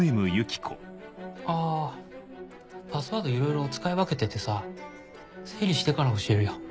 あぁパスワードいろいろ使い分けててさ整理してから教えるよ